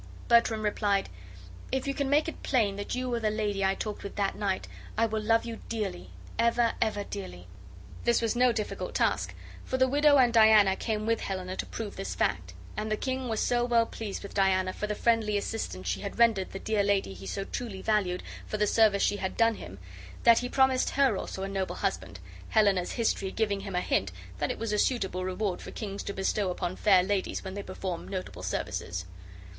Bertram replied, "If you can make it plain that you were the lady I talked with that night I will love you dearly, ever, ever dearly." This was no difficult task, for the widow and Diana came with Helena to prove this fact; and the king was so well pleased with Diana for the friendly assistance she had rendered the dear lady he so truly valued for the service she had done him that he promised her also a noble husband, Helena's history giving him a hint that it was a suitable reward for kings to bestow upon fair ladies when they perform notable services.